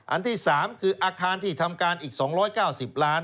อันที่๓คืออาคารที่ทำการอีก๒๙๐ล้าน